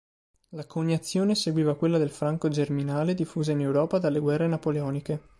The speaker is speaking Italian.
La coniazione seguiva quella del franco germinale diffusa in Europa dalle guerre napoleoniche.